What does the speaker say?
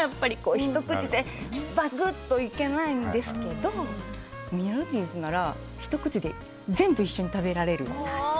ひと口でバクッといけないんですけどミニャルディーズならひと口で全部一緒に食べられる。